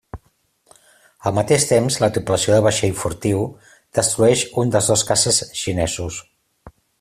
Al mateix temps, la tripulació del vaixell furtiu destrueix un dels dos caces xinesos.